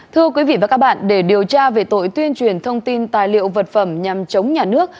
thưa quý vị và các bạn để điều tra về tội tuyên truyền thông tin tài liệu vật phẩm nhằm chống nhà nước